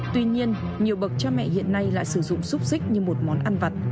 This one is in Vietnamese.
tuy nhiên nhiều bậc cha mẹ hiện nay lại sử dụng xúc xích như một món ăn vặt